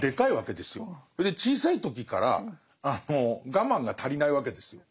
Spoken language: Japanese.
それで小さい時から我慢が足りないわけですよ。